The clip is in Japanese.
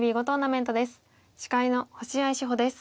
司会の星合志保です。